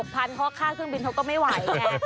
เขาก็ฆ่าเครื่องบินเขาก็ไม่ไหวแม่